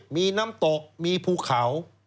มีน้ำตกมีภูเขา